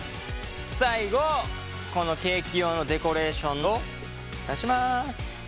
最後このケーキ用のデコレーションを刺します。